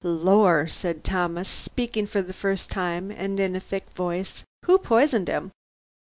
"Lor!" said Thomas, speaking for the first time and in a thick voice, "who poisoned him?"